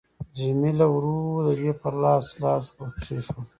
جميله ورو د دې پر لاس لاس ورکښېښود.